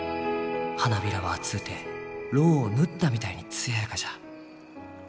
花びらは厚うてロウを塗ったみたいに艶やかじゃ。